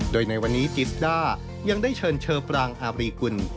โดยในวันนี้จิสด้ายังได้เชิญเชอฟรางอาบรีกุล